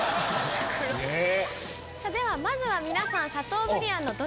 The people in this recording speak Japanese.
ではまずは皆さん。